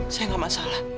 saya gak masalah